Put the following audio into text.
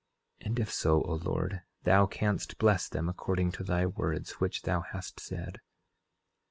And if so, O Lord, thou canst bless them according to thy words which thou hast said.